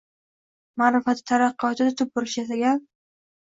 Maʼrifati, taraqqiyotida tub burilish yasagan